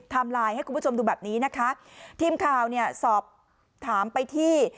ไลน์ให้คุณผู้ชมดูแบบนี้นะคะทีมข่าวเนี่ยสอบถามไปที่